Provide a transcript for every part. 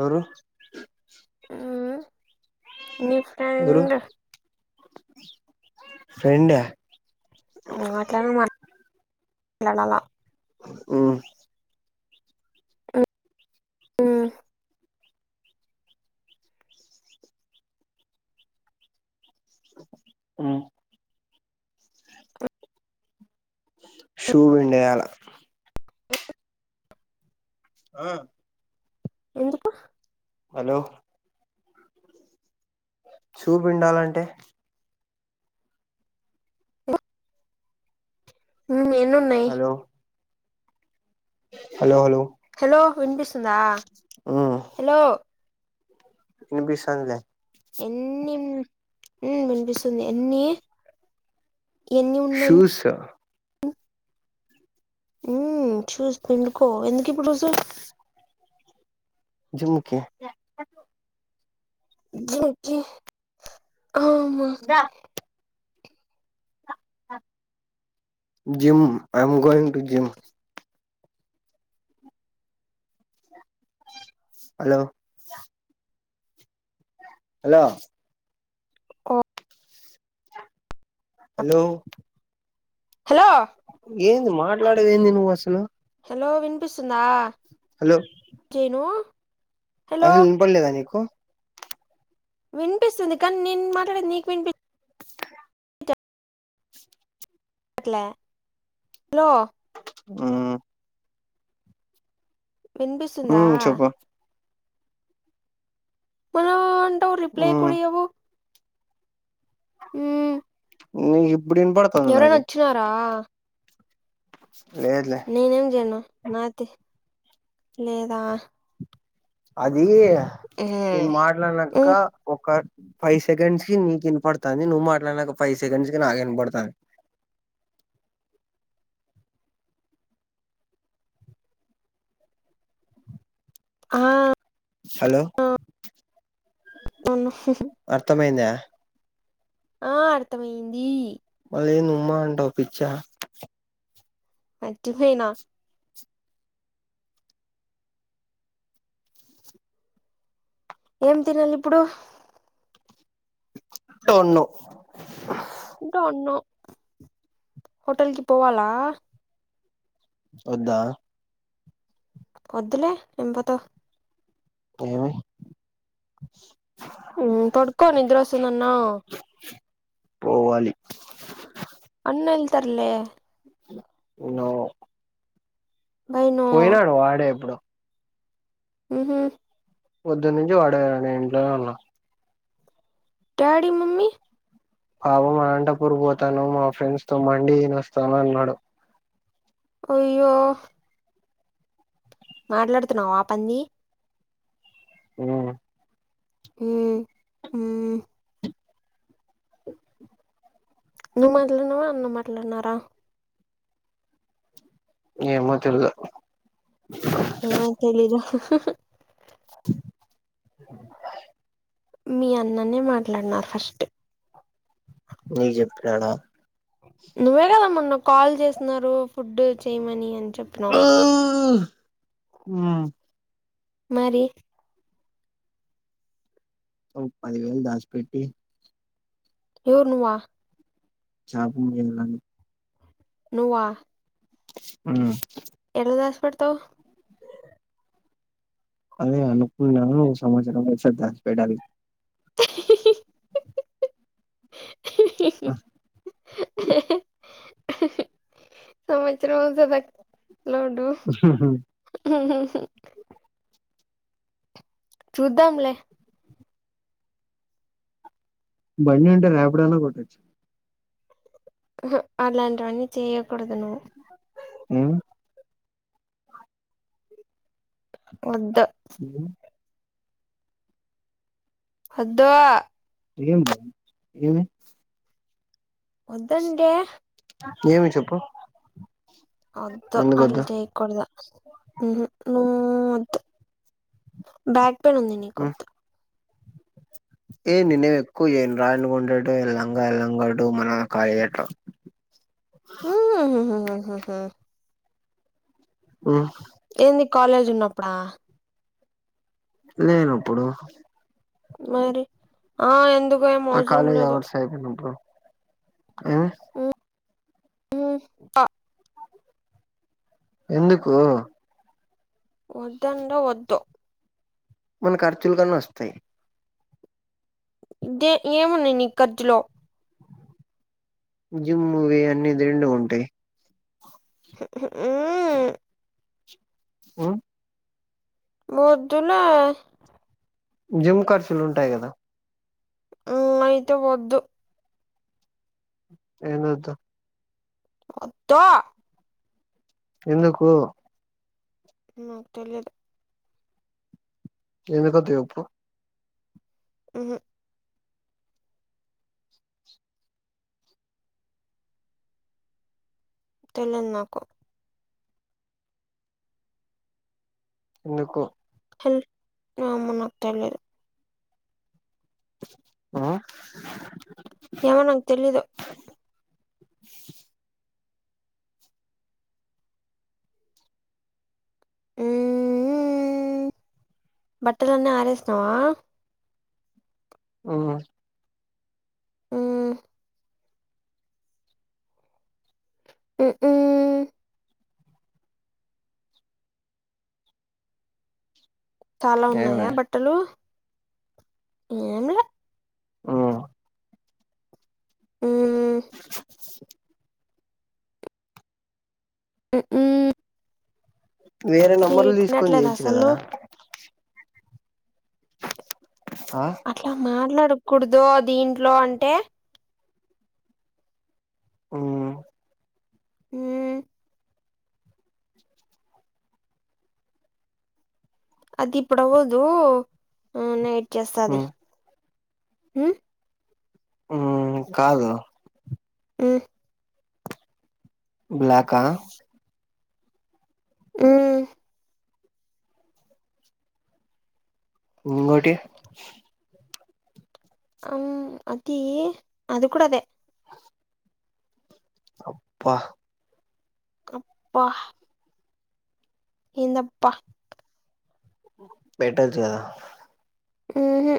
ఎవరు. మీ ఎవరు ఫ్రెండు. ఫ్రెండా. ఉమ్ అట్లానే మాట్లా డు మల్ల. ఉమ్. ఉమ్. ఉమ్. షూ పిండేయాలి. ఆహ్. ఎందుకు. హలో. షూ పిండాలంటే. ఇంగ ఎన్నున్నయ్. హలో హలో హలో హెలో వినిపిస్తుందా ఉమ్ హెలో. వినిపిస్తాందిలే. ఎన్నిన్ ఉ వినిపిస్తుంది ఎన్నీ. ఎన్ని ఉన్నయ్ షూస్ ఊ చూస్ పిండుకో ఎందుకు ఇప్పుడు డస్సు. జిమ్ముకి. జిమ్ కి the gym I am going to gym. Hello hello hello hello ఏంది మాట్లాడవేంది నువ్వు అసలు. హలో వినిపిస్తుందా హలో [unintelligible] ను. అసలు విన్పడలేదా నీకు? వినిపిస్తుంది కానీ నేను మాట్లాడేది నీకు వినిపి. ట్లే హలో హు వినిపిసుందా ఉమ్ చెప్పు హలో అంటావ్ రిప్లై ఉమ్ కూడా ఇయ్యవు. ఉ నీకు ఇప్పుడు వినపడతంది నాకీ. నేనేం చేయను నాతి లేదా? అది నేను మాట్లానాక ఉమ్, ఒక. ఫైవ్ సెకండ్స్ కి నీకి వినపడతాంది, నువ్వు మాట్లాడినాక ఫైవ్ సెకండ్స్, కి నాకి వినపడతాంది. ఆ హలో అవును అర్థమైందా ఆ అర్థమయ్యంది. మళ్లీ ఏంది ఉమ్మా అంటావు పిచ్చా. మర్చిపోయిన ఏం తినాలిప్పుడు. డోన్ నో డోన్ నో హోటల్కి పోవాలా. వద్దా వద్దులే ఏం పోతావ్ ఏమి మ్ పడుకో నిద్రోస్తుంది అన్నావ్ పోవాలి అన్నేల్తర్లే నో బై నో పోయినాడు వాడే ఇప్పుడు. ఉహు పొద్దున్నుంచి వాడే నేను ఇంట్లోనే ఉన్న. డాడీ, మమ్మీ అవును అనంటపూర్ పోతాను, మా ఫ్రెండ్స్ తో మండి తిని వస్తాను అన్నాడు. అయ్యో మాట్లాడుతున్నావ పంది మ్ మ్ మ్ ఊ నువ్ మాట్లాడినవా అన్న మాట్లాడినారా ఏమో తెలువద్ ఏమో తెలీదు రాయు మీ అన్ననే మాట్లాడినారు ఫస్ట్ నీకు చెప్పినాడా నువ్వే కద మొన్న కాల్ చేససినారు ఫుడ్ చేయమని అని చెప్పినవ్ మ్ మరి ఒ పది వేలు దాస్పేటీ ఎవరు నువ్వ షాపింగ్ చేయాలనీ నువ్వ మ్ ఎల్ల దాసిపెడుతావ్ అదే అనుకున్నా సంవత్సరం ఎట్నో దశి పెట్టాలి [inaudible] [inaudible] సంవత్సరం అంత లో ఉండు [inaudible] చూద్దాములే బండి అంటే రాపిడోన్న కొట్టొచ్చు మ్ హు అలాంటివన్నీ చేయకూడదు నువ్వు ఎమ్ వద్దు ఎం వద్దు ఏం ఏమి వదంటే ఏమి చెప్పు వద్దు అల ఎందుకొద్దు చేయకుడదు మ్ హు నువ్ వద్దు బ్యాక్ హ్మ్ పెనుందినికొద్దు ఏ నినే ఎక్కువ చేయను [unintelligible] ఎల్లంగా ఎల్లంగాట్టు మన [unintelligible] [unintelligible] మ్ హు హు హు ఆ ఏంది కాలేజ్ ఉన్నప్పుడా లేనప్పుడు మరి ఆ ఎందు నా కాలేజ్ అవర్స్ అయిపోనప్పుడు ఏ మ్ అ ఎందుకు వద్దంటె వద్దు మన ఖర్చులు కన్నా వస్తాయి ఇంకే ఏమున్నాయి నీ ఖర్జులో జూమ్ మూవీ అన్నీ దేంట్లో ఉంటాయి [inaudible] [unintelligible] మ్ వద్దులే జిమ్ ఖర్చులు ఉంటాయి కదా ఉ అయితే వద్దు ఎం వద్దు వద్దో ఎందుకు నాకు తెలీదు ఎందుకు వద్దు చెప్పు మ్ మ్ తెలీదు నాకు ఎందుకు ఏమో నాకు తెలియదు ఆ ఏమో నాకు తెలీదు మ్ మ్ బట్టలన్నీ ఆరేస్తావా మ్ ఉమ్ మ్ మ్ చాలా ఉన్నాయా ఏమి బట్టలు ఏమిలే ఉ ఉమ్ ఉ ఉ వేరే నంబర్లు తీసుకొని చేయొచ్చు కదా అసలు ఆ అట్లా మాట్లాడకూడదు దీంట్లో అంటే ఉ ఉ అంటే ఇప్పుడు అవ్వదు నైట్ చేస్తాది మ్మ్ మ్ మ్ కాదు మ్ బ్లాక్ ఆ ఉ ఉ ఇంగోటి ఉ అతి అది కూడా అదే అబ్బా అబ్బ ఎందబ్బా పెట్టచుగద ఉహు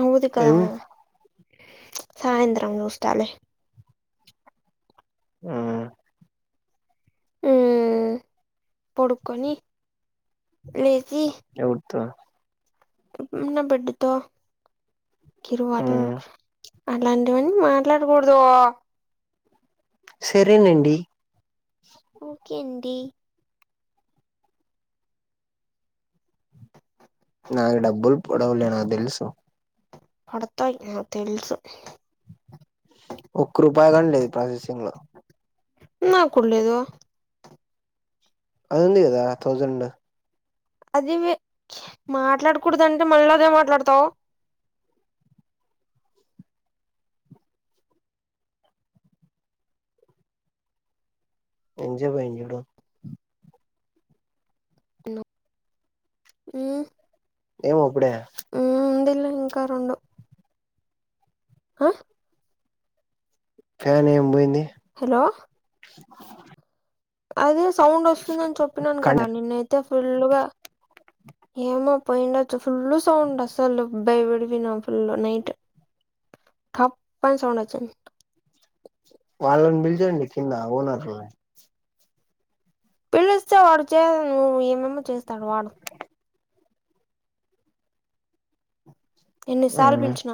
అవదు గ ఏమి సాయంత్రం చూస్తాలె ఉ ఉ పడుకొని లేచీ ఎవరితో నా బిడ్డతో [unintelligible] కిరు మాట మ్మ్ అలాంటివన్ని మాట్లాడకూడదు సరేనండి ఇంకేంటి నాకు డబ్బులు పూడవులే నాకు తెలుసు పడతాయి నాకు తెలుసు ఒక్క రూపాయి కానీ లేదు ప్రాసెసింగ్ లో నా కుడలేదు అదుంది కదా థౌజండ్ అది వే మాట్లాడకూడదంటే మల్ల అదే మాట్లాడతావు ఎంజేపయింది చూడు ఉ ఏమో అప్పుడే ఉ ఇంకా రెండు ఆ ఫ్యాన్ ఏమి పోయింది హలో [inaudible] అదే సౌండ్ వస్తుందని చెప్పినాను కదా కండి నిన్నయితే ఫుల్లుగా ఏమో పోయిండచ్చ ఫుల్ సౌండ్ అసలు బయపడి పోయినాం ఫుల్ నైట్ [inaudible] టప్ అని సౌండ్ వచ్చింది వాళ్ళను పిల్చండి కింద ఓనర్లను పిలస్త వాడు చే నువ్వు ఏమేమో చేస్తాడు వాడు ఎన్నిసార్లు మ్మ్ పిలిచిన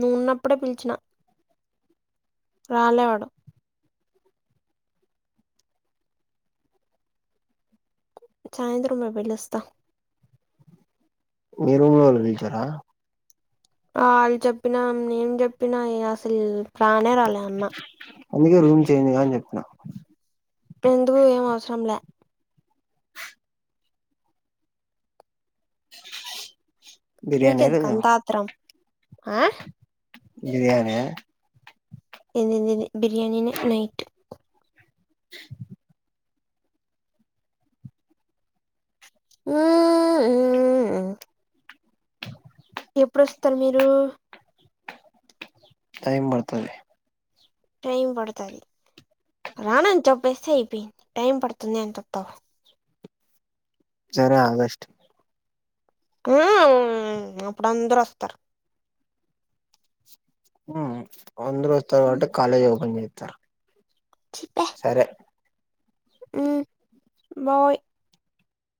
నువ్వున్నప్పుడే పిలిచిన రాలేవాడు సాయంత్రం పొయి పిలుస్తా మీ రూమ్ లొ వాళ్ళు పిలిచారా వాళ్ళు చెప్పినా నేను చెప్పినా అసలు రానే రాలే అన్న అందుకే రూమ్ చేంజ్ గా అని చెప్పిన ఎందుకు ఏం అవసరం లే బిర్యానీ నీకెందుకు ఈరోజు అంత ఆత్రం బిర్యాని ఏం తిన లేదు బిర్యానీ నె నైట్ [inaudible] అ ఆ అ ఎప్పుడుొస్తారు మీరు టైమ్ పడుతది టైం పడుతది రానని చెప్పేస్తే అయిపోయి టైమ్ పడుతుంది అని చెప్తావా సరే ఆగస్ట్ ఆ అప్పుడు అందరుూ వస్త ర్ ఉ అందరు హ్మ్. వస్తారంటె కాలేజ్ ఓపెన్ చేత్తారు సరె మ్ బాయ్